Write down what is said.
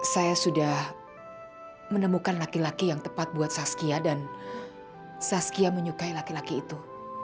saya sudah menemukan laki laki yang tepat buat saskia dan saskia menyukai laki laki itu